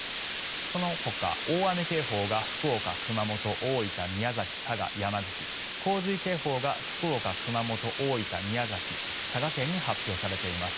そのほか、大雨警報が福岡、熊本、大分宮崎、佐賀、山口洪水警報が福岡、熊本、大分、宮崎佐賀県に発表されています。